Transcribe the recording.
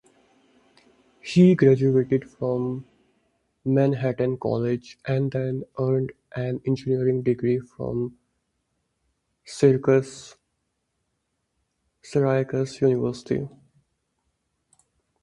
He graduated from Manhattan College and then earned an engineering degree from Syracuse University.